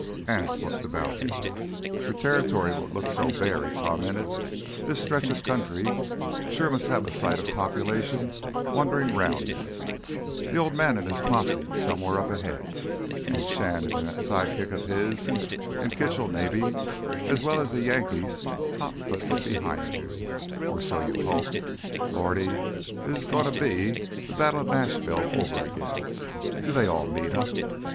Anse looked about him. "For territory what looks so bare," he commented, "this stretch of country sure must have a sight of population wanderin' 'round in it. Th' Old Man an' his posse somewheres up ahead, an' Shannon an' that side kick of his, an' Kitchell maybe, as well as th' Yankees hotfootin' it behind you—or so you hope. Lordy, this's gonna be th' Battle of Nashville over again' do they all meet up!